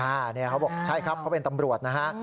อันนี้เขาบอกใช่ครับเขาเป็นตำรวจนะฮะ